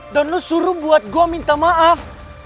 dan lo suruh buat gue minta maaf